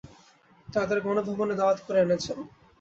তাঁদের গণভবনে দাওয়াত করে এনেছেন।